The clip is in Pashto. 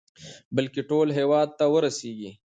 بلكې ټول هېواد ته ورسېږي.